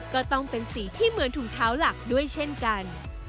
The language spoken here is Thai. ก็ต้องเป็นสีที่เหมือนถุงเท้าหลักด้วยเช่นกัน